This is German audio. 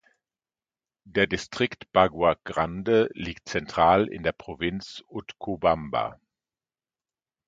Der Distrikt Bagua Grande liegt zentral in der Provinz Utcubamba.